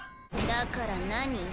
だから何？